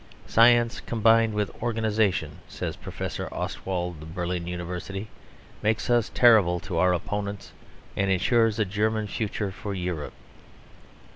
"Science combined with organisation," says Professor Ostwald of Berlin University, "makes us terrible to our opponents and ensures a German future for Europe."